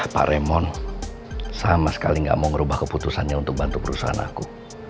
pak remon sama sekali gak mau ngerubah keputusannya untuk bantu perusahaan aku